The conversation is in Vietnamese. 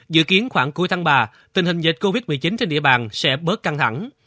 dự kiến khoảng cuối tháng ba tình hình dịch covid một mươi chín trên địa bàn sẽ bớt căng thẳng